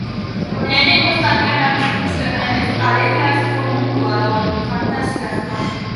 Lehenengo zatian argi ikusten denez, alegiazko mundua da hori, fantasiazkoa.